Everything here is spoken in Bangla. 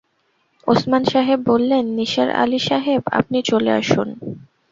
ওসমান সাহেব বললেন, নিসার আলি সাহেব, আপনি চলে আসুন।